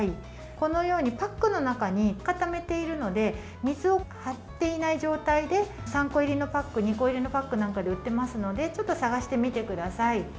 このようにパックの中に固めているので水を張っていない状態で３個入りのパック２個入りのパックなんかで売っていますのでちょっと探してみてください。